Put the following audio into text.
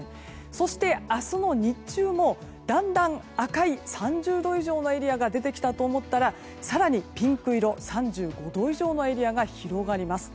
そして明日の日中も、だんだん赤い３０度以上のエリアが出てきたと思ったら更にピンク色３５度以上のエリアが広がります。